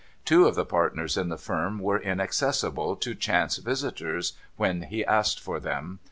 Two of the partners in the firm were inaccessible to chance visitors when he asked for them.